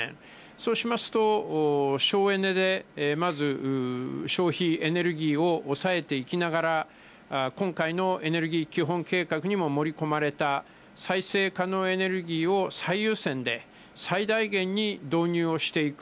そうしますと、省エネでまず、消費エネルギーを抑えていきながら、今回のエネルギー基本計画にも盛り込まれた、再生可能エネルギーを最優先で、最大限に導入をしていく。